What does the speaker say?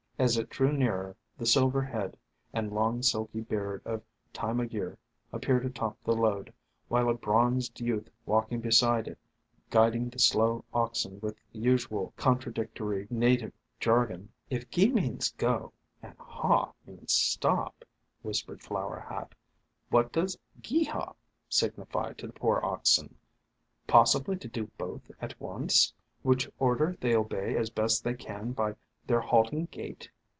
As it drew nearer, the silver head and long silky beard of Time o' Year appeared atop the load, while a bronzed youth walked beside it, guiding THE FANTASIES OF FERNS 211 the slow oxen with the usual contradictory native jargon. "If 'gee!' means go, and 'haw!' means stop," whispered Flower Hat, "what does 'gee haw!' sig nify to the poor oxen ? Possibly to do both at once, which order they obey as best they can by their halting gait."